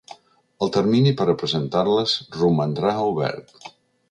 El termini per a presentar-les romandrà obert.